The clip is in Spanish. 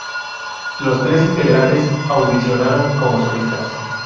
Los tres integrantes audicionaron como solistas.